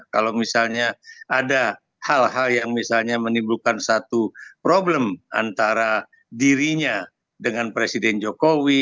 kalau misalnya ada hal hal yang misalnya menimbulkan satu problem antara dirinya dengan presiden jokowi